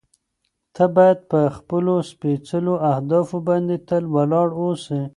ته باید په خپلو سپېڅلو اهدافو باندې تل ولاړ واوسې.